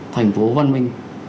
thành phố văn minh